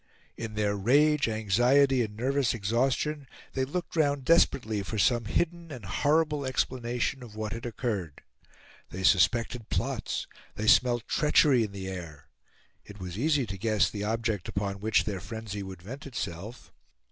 In their rage, anxiety, and nervous exhaustion, they looked round desperately for some hidden and horrible explanation of what had occurred. They suspected plots, they smelt treachery in the air. It was easy to guess the object upon which their frenzy would vent itself.